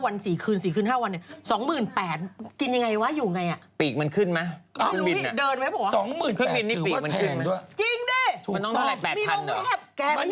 ไม่รู้พี่เดินรึเปล่าคือว่าแพงด้วยจริงด้วยมีรงแรพแกไม่มี๒วันนะไอ้มรุง